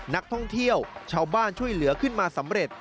นักท่องเที่ยวชาวบ้านช่วยเหลือขึ้นมาสำเร็จ